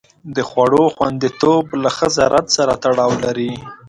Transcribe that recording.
د خوړو خوندیتوب له ښه زراعت سره تړاو لري.